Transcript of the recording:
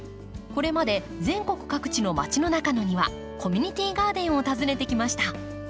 これまで全国各地のまちの中のニワコミュニティーガーデンを訪ねてきました。